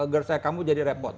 gers saya kamu jadi repot